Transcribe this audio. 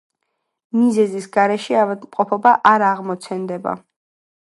მიზეზის გარეშე ავადმყოფობა არ აღმოცენდება.